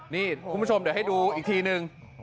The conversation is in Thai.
นี่คุณผู้ชมเดี๋ยวให้ดูอีกทีนึง